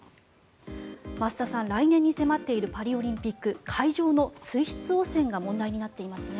増田さん、来年に迫っているパリオリンピック会場の水質汚染が問題になっていますね。